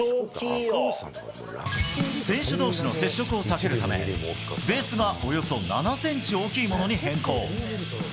選手どうしの接触を避けるため、ベースがおよそ７センチ大きいものに変更。